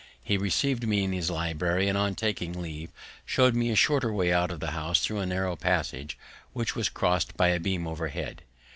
He received me in his library, and on my taking leave showed me a shorter way out of the house through a narrow passage, which was crossed by a beam overhead.